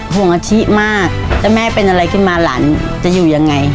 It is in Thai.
ห่วงอาชิมากถ้าแม่เป็นอะไรขึ้นมาหลานจะอยู่ยังไง